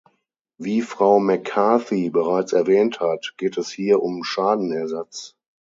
Wie Frau McCarthy bereits erwähnt hat, geht es hier um Schadenersatz.